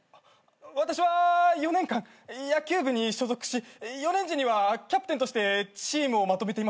私は４年間野球部に所属し４年時にはキャプテンとしてチームをまとめていました。